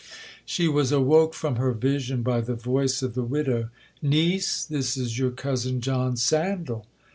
She was awoke from her vision by the voice of the widow.—'Niece, this is your cousin John Sandal.'